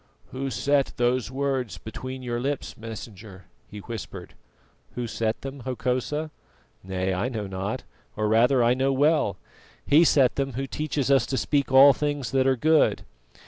"Who set those words between your lips, Messenger?" he whispered. "Who set them, Hokosa? Nay, I know not or rather, I know well. He set them Who teaches us to speak all things that are good."